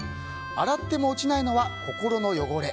洗っても落ちないのは心の汚れ。